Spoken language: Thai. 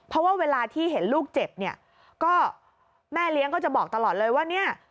เพราะว่าเวลาที่เห็นลูกเจ็บเนี่ยก็แม่เลี้ยงก็จะบอกตลอดเลยว่าเนี่ย